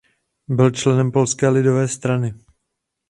Byl členem Polské lidové strany.